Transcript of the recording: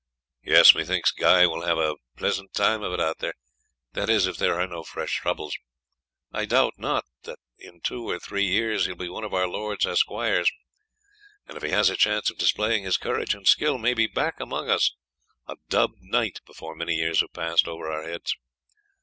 "Yes; methinks Guy will have a pleasant time of it out there; that is, if there are no fresh troubles. I doubt not that in two or three years he will be one of our lord's esquires, and if he has a chance of displaying his courage and skill, may be back among us a dubbed knight before many years have passed over our heads.